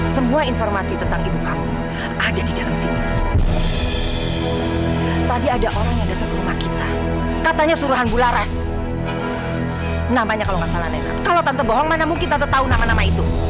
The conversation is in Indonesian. sampai jumpa di video selanjutnya